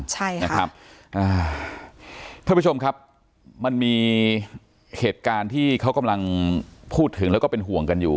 ใช่ค่ะนะครับท่านผู้ชมครับมันมีเหตุการณ์ที่เขากำลังพูดถึงแล้วก็เป็นห่วงกันอยู่